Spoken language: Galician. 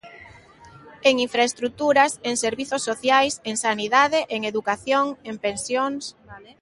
En infraestruturas, en servizos sociais, en sanidade, en educación, en pensións...